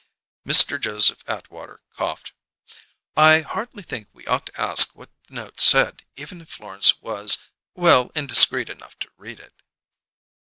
Mr. Joseph Atwater coughed. "I hardly think we ought to ask what the note said, even if Florence was well, indiscreet enough to read it."